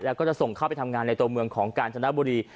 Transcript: แล้วก็จะส่งเข้าไปทำงานในตัวเมืองของกาญจนบุรี